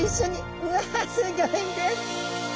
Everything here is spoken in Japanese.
うわすギョいです！